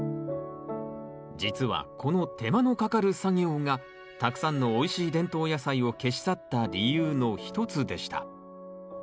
実はこの手間のかかる作業がたくさんのおいしい伝統野菜を消し去った理由の一つでした。